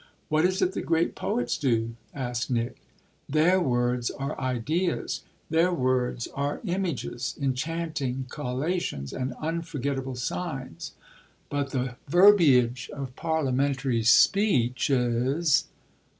"What is it the great poets do?" asked Nick. "Their words are ideas their words are images, enchanting collocations and unforgettable signs. But the verbiage of parliamentary speeches